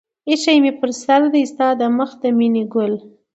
اىښى مې پر سر دى ستا د مخ د مينې گل